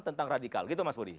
tentang radikal gitu mas budi